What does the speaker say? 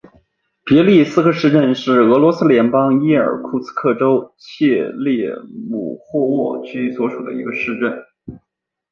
别利斯克市镇是俄罗斯联邦伊尔库茨克州切列姆霍沃区所属的一个市镇。